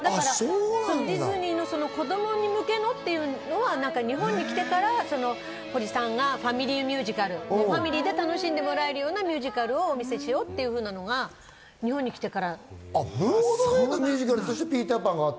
ディズニーの子供向けのっていうのは日本に来てから堀さんがファミリーミュージカルを楽しんでもらえるようなミュージカルをお見せしようっていうのが日本に来てからです。